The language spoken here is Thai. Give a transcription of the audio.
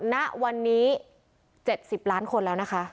ณวันนี้๗๐ล้านคนแล้วนะคะ